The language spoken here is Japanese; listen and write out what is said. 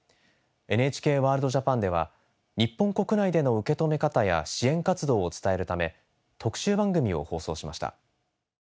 「ＮＨＫＷＯＲＬＤＪＡＰＡＮ」では日本国内での受け止め方や支援活動を伝えるため特集番組を放送しました。